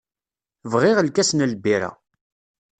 Bɣiɣ lkas n lbirra.